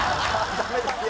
ダメですよ